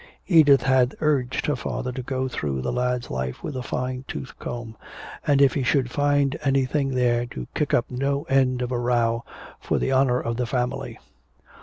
Edith had urged her father to go through the lad's life with a fine tooth comb, and if he should find anything there to kick up no end of a row for the honor of the family.